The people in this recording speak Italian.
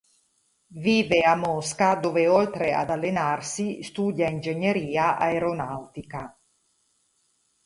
Vive a Mosca dove oltre ad allenarsi studia ingegneria aeronautica.